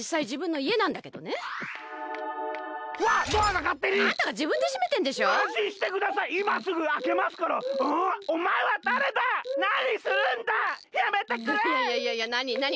いやいやいやなに？